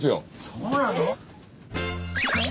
そうなの？